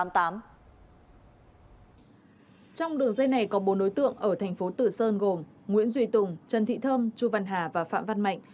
trong đường dây này có bốn đối tượng ở thành phố tử sơn gồm nguyễn duy tùng trần thị thơm chu văn hà và phạm văn mạnh